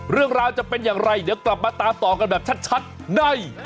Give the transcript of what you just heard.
เรื่องราวจะเป็นอย่างไรเดี๋ยวกลับมาตามต่อกันแบบชัดใน